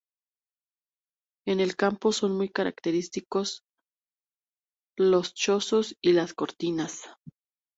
En el campo son muy característicos los chozos y las cortinas.